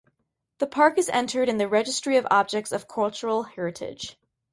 The park is entered in the Registry of Objects of Cultural Heritage.